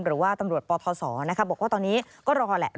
หรือว่าตำรวจปทศบอกว่าตอนนี้ก็รอแหละ